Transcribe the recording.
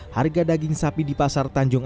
harga daging sapi di pasar tanjung